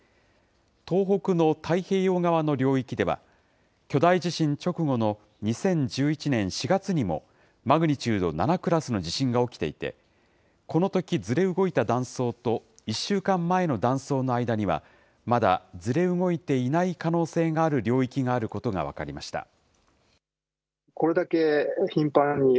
東北の太平洋側の領域では、巨大地震直後の２０１１年４月にも、マグニチュード７クラスの地震が起きていて、このときずれ動いた断層と、１週間前の断層の間には、まだずれ動いていない可能性がある領域があることが分かりました。